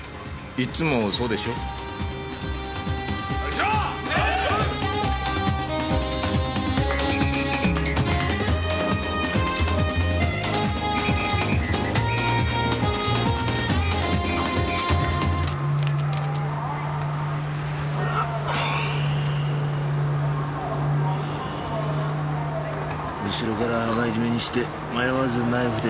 後ろから羽交い締めにして迷わずナイフで喉をかき切った。